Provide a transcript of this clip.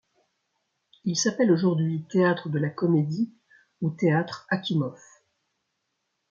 Il s'appelle aujourd'hui Théâtre de la Comédie ou Théâtre Akimov.